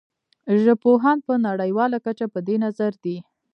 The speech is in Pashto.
ژبپوهان په نړیواله کچه په دې نظر دي